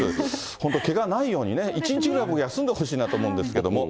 本当、けがないようにね、１日ぐらい休んでほしいなと思うんですけども。